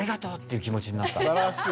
すばらしい。